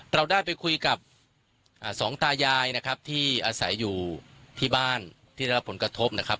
เราได้ไปคุยกับสองตายายนะครับที่อาศัยอยู่ที่บ้านที่ได้รับผลกระทบนะครับ